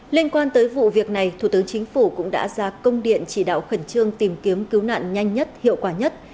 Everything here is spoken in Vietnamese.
liên quan tới vụ việc này thủ tướng chính phủ cũng đã ra công điện chỉ đạo khẩn trương tìm kiếm cứu nạn nhanh nhất hiệu quả nhất